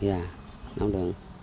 dạ nâu đường